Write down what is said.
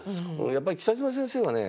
やっぱり北島先生はね